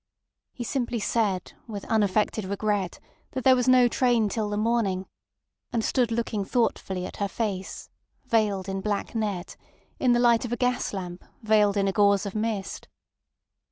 He simply said with unaffected regret that there was no train till the morning, and stood looking thoughtfully at her face, veiled in black net, in the light of a gas lamp veiled in a gauze of mist.